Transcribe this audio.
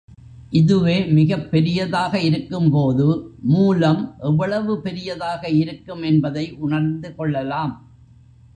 இதுவே மிகப் பெரியதாக இருக்கும்போது, மூலம் எவ்வளவு பெரியதாக இருக்கும் என்பதை உணர்ந்து கொள்ளலாம்.